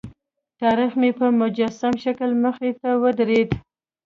تاریخ مې په مجسم شکل مخې ته ودرېد.